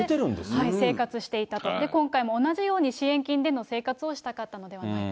生活していたと、今回も同じように、支援金での生活をしたかったのではないか。